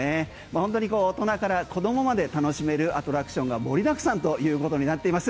本当に大人から子供まで楽しめるアトラクションが盛りだくさんということになっています。